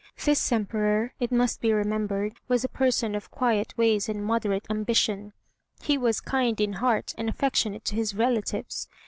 This Emperor, it must be remembered, was a person of quiet ways and moderate ambition. He was kind in heart, and affectionate to his relatives.